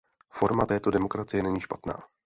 Forma této demokracie není špatná.